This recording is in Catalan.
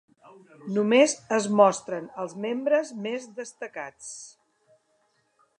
Només es mostren els membres més destacats.